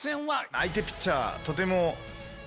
相手ピッチャーとても。